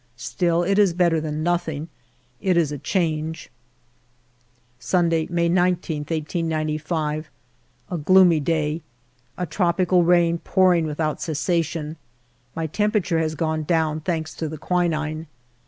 Still, it is better than nothing. It is a change. Sunday J May 19, 1895. A gloomy day. A tropical rain pouring with out cessation. My temperature has gone down, thanks to the quinine.